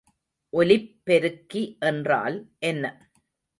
ஒலிப்பெருக்கி என்றால் என்ன?